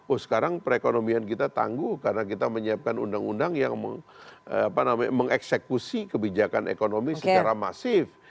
oh sekarang perekonomian kita tangguh karena kita menyiapkan undang undang yang mengeksekusi kebijakan ekonomi secara masif